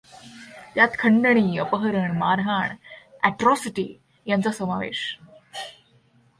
त्यांत खंडणी, अपहरण, मारहाण, अ ॅट्रॉसिटी यांचा समावेश.